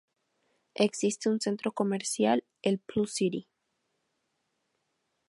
Existe un centro comercial, el Plus City.